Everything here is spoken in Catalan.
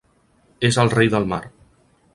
És el rei del mar!